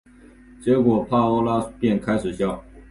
结果帕欧拉便开始笑。